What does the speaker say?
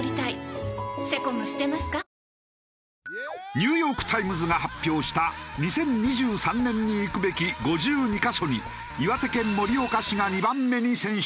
『ニューヨーク・タイムズ』が発表した「２０２３年に行くべき５２カ所」に岩手県盛岡市が２番目に選出。